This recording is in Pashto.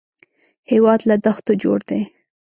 هېواد له دښتو جوړ دی